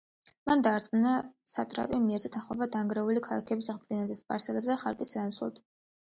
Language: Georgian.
მან დაარწმუნა სატრაპი მიეცა თანხმობა დანგრეული ქალაქების აღდგენაზე, სპარსელებზე ხარკის სანაცვლოდ.